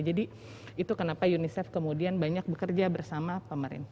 jadi itu kenapa unicef kemudian banyak bekerja bersama pemerintah